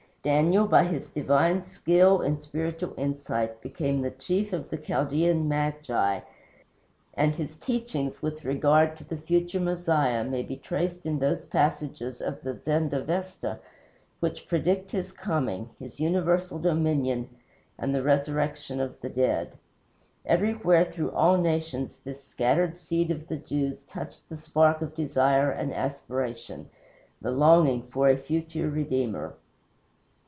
Daniel, by his divine skill in spiritual insight, became the chief of the Chaldean magi, and his teachings with regard to the future Messiah may be traced in those passages of the Zendavesta which predict his coming, his universal dominion, and the resurrection of the dead. Everywhere through all nations this scattered seed of the Jews touched the spark of desire and aspiration the longing for a future Redeemer.